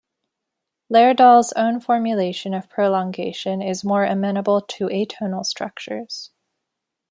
Lerdahl's own formulation of prolongation is more amenable to atonal structures.